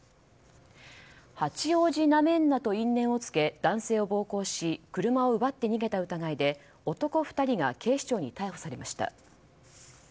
八王子なめんなと因縁をつけ男性を暴行し車を奪って逃げた疑いで男２人が警視庁に逮捕されました。